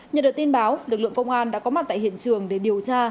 nhận được tin báo lực lượng công an đã có mặt tại hiện trường để điều tra